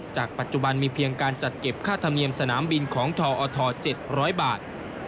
จากปัจจุบันมีเพียงการจัดเก็บค่าธรรมเนียมสนามบินของทอท๗๐๐บาท